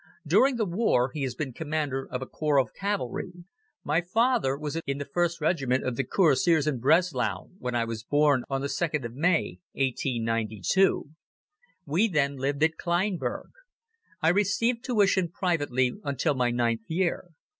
During the war he has been Commander of a Corps of Cavalry. My father was in the 1st Regiment of Cuirassiers in Breslau when I was born on the 2nd of May, 1892. We then lived at Kleinburg. I received tuition privately until my ninth year.